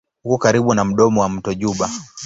Uko karibu na mdomo wa mto Juba.